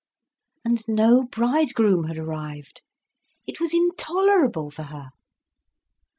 And no bridegroom had arrived! It was intolerable for her.